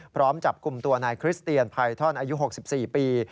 พร้อมจับกลุ่มตัวนายคริสเตียนไพท่อนอายุ๖๔ปี